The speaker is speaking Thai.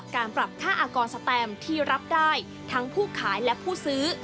การปรับค่าอากรสแตมที่รับได้ทั้งผู้ขายและผู้ซื้อ